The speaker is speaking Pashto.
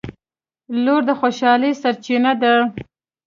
• لور د خوشحالۍ سرچینه ده.